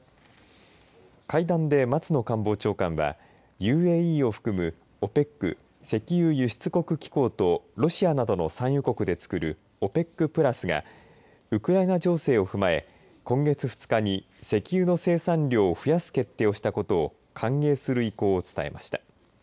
会談で、松野官房長官はＵＡＥを含むＯＰＥＣ、石油輸出国機構とロシアなどの産油国でつくるＯＰＥＣプラスがウクライナ情勢を踏まえ今月２日に、石油の生産量を増やす決定をしたことを歓迎する意向を伝えました。